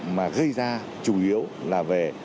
mà gây ra chủ yếu là về